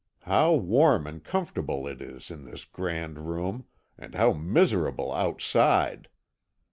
How warm and comfortable it is in this grand room, and how miserable outside!